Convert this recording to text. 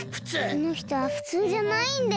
このひとはふつうじゃないんで。